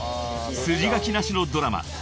［筋書きなしのドラマ］